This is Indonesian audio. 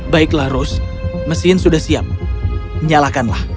baiklah ros mesin sudah siap nyalakanlah